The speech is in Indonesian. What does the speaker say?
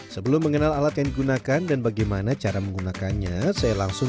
sebelum mengenal alat yang digunakan dan bagaimana cara menggunakannya saya langsung